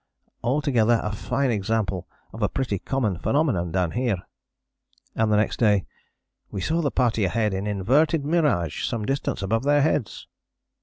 Altogether a fine example of a pretty common phenomenon down here." And the next day: "We saw the party ahead in inverted mirage some distance above their heads."